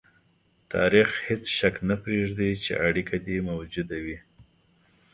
تاریخ هېڅ شک نه پرېږدي چې اړیکه دې موجوده وي.